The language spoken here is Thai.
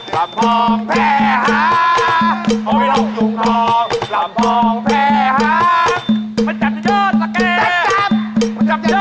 ลำพองแพ้ฮังมันจับอยู่ยอดสักแกจับจับ